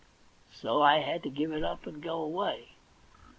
So I had to give it up and go away.